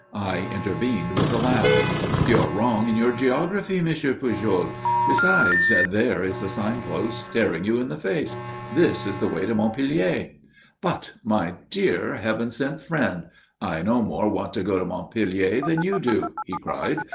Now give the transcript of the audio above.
I intervened with a laugh. "You're wrong in your geography, M. Pujol. Besides, there is the signpost staring you in the face. This is the way to Montpellier." "But, my dear, heaven sent friend, I no more want to go to Montpellier than you do!" he cried.